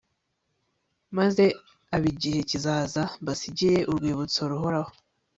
maze ab'igihe kizaza mbasigire urwibutso ruhoraho